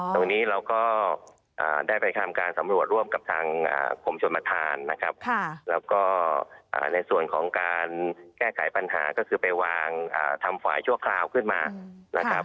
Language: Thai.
ตรงนี้เราก็ได้ไปทำการสำรวจร่วมกับทางกรมชนประธานนะครับแล้วก็ในส่วนของการแก้ไขปัญหาก็คือไปวางทำฝ่ายชั่วคราวขึ้นมานะครับ